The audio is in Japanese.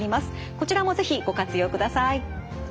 こちらも是非ご活用ください。